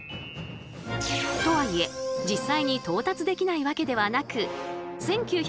とはいえ実際に到達できないわけではなくそこに